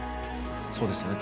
そうですね。